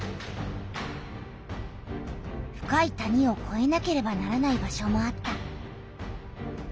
深い谷をこえなければならない場所もあった。